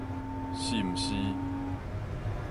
是毋是